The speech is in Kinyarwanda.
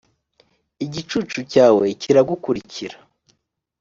igicucu cyawe kiragukurikira,